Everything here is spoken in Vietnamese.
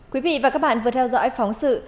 quý vị và các bạn vừa theo dõi phóng sự